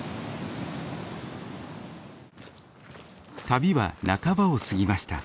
旅は半ばを過ぎました。